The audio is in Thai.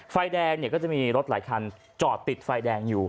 ไฟแดงเนี่ยก็จะมีรถหลายคันจอดติดไฟแดงอยู่